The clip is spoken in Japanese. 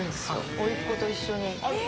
おいっ子と一緒に。